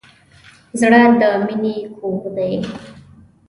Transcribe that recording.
زړه د مینې کور دی.